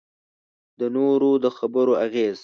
د نورو د خبرو اغېز.